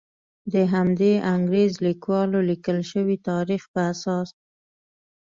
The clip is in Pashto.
د همدې انګریز لیکوالو لیکل شوي تاریخ په اساس.